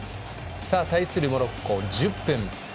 対するモロッコ、１０分。